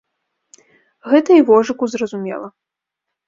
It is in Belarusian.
Гэта і вожыку зразумела.